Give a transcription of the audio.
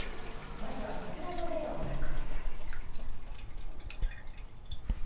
まずはこちらの例をご覧下さい。